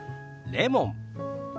レモン。